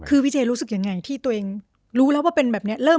คือพี่เจรู้สึกยังไงที่ตัวเองรู้แล้วว่าเป็นแบบนี้